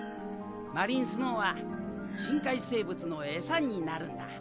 マリンスノーは深海生物のエサになるんだ。